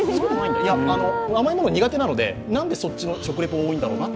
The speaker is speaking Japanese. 甘い物が苦手なので、なんでそっちの方の食リポが多いのかなって。